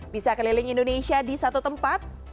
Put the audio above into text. bisa keliling indonesia di satu tempat